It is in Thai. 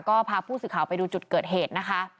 ก็พาผู้สื่อข่าวไปดูจุดเกิดเหตุนะคะ